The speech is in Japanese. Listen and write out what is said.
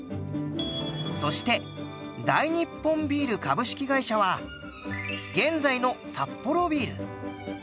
そして大日本麦酒株式会社は現在のサッポロビール。